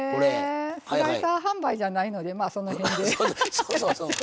スライサー販売じゃないので、その辺で。